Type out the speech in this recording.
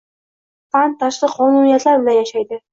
Fan — tashqi qonuniyatlar bilan yashaydi.